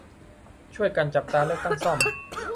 ช่วยกันจับตาเลือกตั้งซ่อม